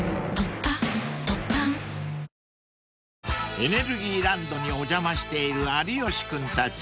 ［エネルギーランドにお邪魔している有吉君たち］